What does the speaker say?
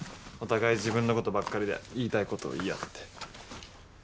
お互い自分のことばっかりで言いたいことを言い合って。